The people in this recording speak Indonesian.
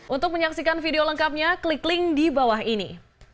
untuk menyaksikan video lengkapnya klik link di bawah ini